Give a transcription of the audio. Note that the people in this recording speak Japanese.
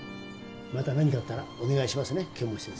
また何かあったらお願いしますね剣持先生。